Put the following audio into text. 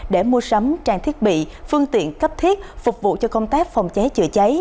để mua sắm trang thiết bị phương tiện cấp thiết phục vụ cho công tác phòng cháy chữa cháy